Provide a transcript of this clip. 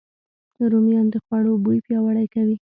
رومیان د خوړو بوی پیاوړی کوي